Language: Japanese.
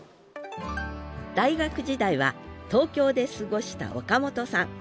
大学時代は東京で過ごした岡本さん。